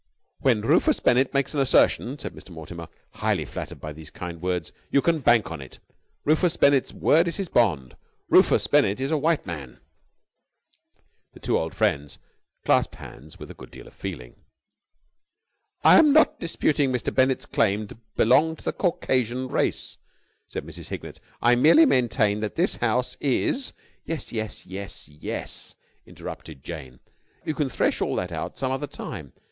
"When Rufus Bennett makes an assertion," said Mr. Mortimer, highly flattered by these kind words, "you can bank on it, Rufus Bennett's word is his bond. Rufus Bennett is a white man!" The two old friends clasped hands with a good deal of feeling. "I am not disputing Mr. Bennett's claim to belong to the Caucasian race," said Mrs. Hignett, "I merely maintain that this house is...." "Yes, yes, yes, yes!" interrupted Jane. "You can thresh all that out some other time.